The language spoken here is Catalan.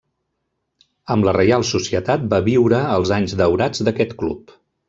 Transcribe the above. Amb la Reial Societat va viure els anys daurats d'aquest club.